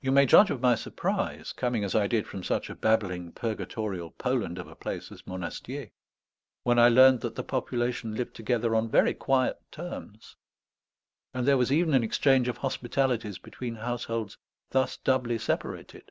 You may judge of my surprise, coming as I did from such a babbling purgatorial Poland of a place as Monastier, when I learned that the population lived together on very quiet terms; and there was even an exchange of hospitalities between households thus doubly separated.